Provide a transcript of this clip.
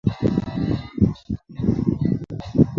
梅伦普塔是拉美西斯二世的第十三位儿子。